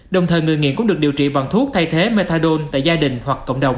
đồng thời người nghiện cũng được điều trị bằng thuốc thay thế methadone tại gia đình hoặc cộng đồng